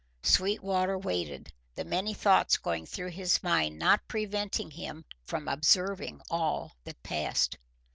Sweetwater waited, the many thoughts going through his mind not preventing him from observing all that passed.